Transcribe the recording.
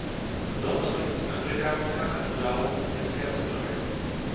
Byla to první anglikánská katedrála mimo Britské ostrovy.